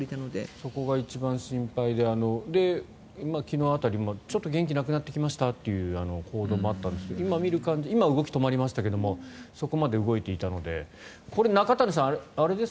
そこが一番心配で昨日辺りちょっと元気なくなってきましたという報道もあったんですが今、動きが止まりましたがそこまで動いていたのでこれ、中谷さん